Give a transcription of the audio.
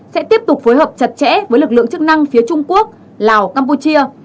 sẽ tiếp tục phối hợp chặt chẽ với lực lượng chức năng phía trung quốc lào campuchia